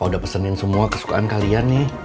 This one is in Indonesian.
udah pesenin semua kesukaan kalian nih